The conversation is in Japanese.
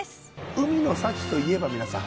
海の幸といえば皆さん。